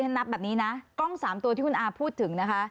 นับแบบนี้นะกล้อง๓ตัวที่คุณอาพูดถึงนะคะ